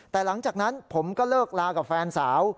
แต่หลังจากนั้นผมก็เลิกลากับแฟนสาว